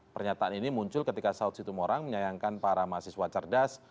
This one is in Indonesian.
pernyataan ini muncul ketika saud situmorang menyayangkan para mahasiswa cerdas